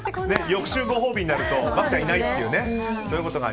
翌週、ご褒美になると漠ちゃんいないっていうね。